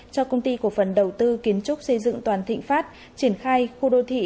cho công ty cổ phần đầu tư kiến trúc xây dựng toàn thịnh pháp triển khai khu đô thị